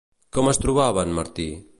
Com es trobava en Martí?